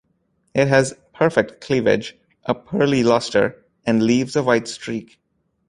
It has perfect cleavage, a pearly luster and leaves a white streak.